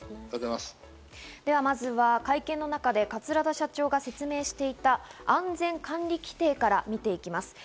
では、まずは会見の中で桂田社長が説明していた安全管理規定から見ていきます。